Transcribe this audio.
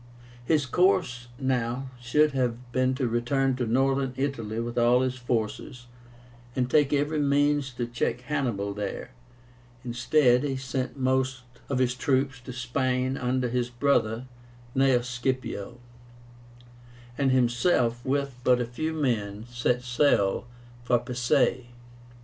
His course now should have been to return to Northern Italy with all his forces, and take every means to check Hannibal there. Instead, he sent most of his troops to Spain under his brother Gnaeus Scipio, and himself, with but a few men, set sail for Pisae.